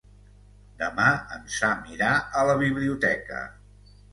Demà en Sam irà a la biblioteca.